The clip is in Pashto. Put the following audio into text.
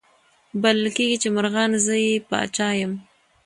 بلل کیږي چي مرغان زه یې پاچا یم